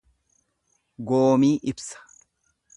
Goomii ibsa.